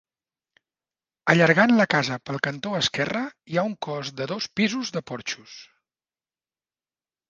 Allargant la casa pel cantó esquerre hi ha un cos de dos pisos de porxos.